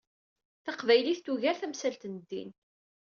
Taqbaylit tugar tamsalt n ddin.